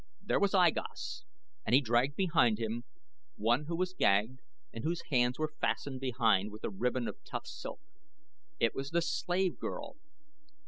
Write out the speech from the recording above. There was I Gos, and he dragged behind him one who was gagged and whose hands were fastened behind with a ribbon of tough silk. It was the slave girl.